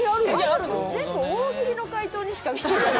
あるの全部大喜利の回答にしか見えない。